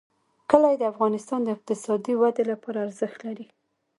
کلي د افغانستان د اقتصادي ودې لپاره ارزښت لري.